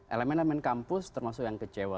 elemen elemen kampus termasuk yang kecewa